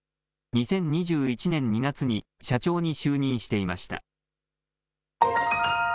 ２０２１年２月に社長に就任していました。